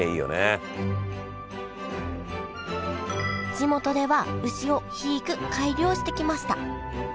地元では牛を肥育改良してきました。